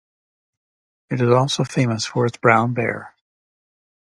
It is also famous for its brown bear.